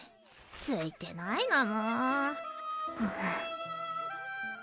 ついてないなもう。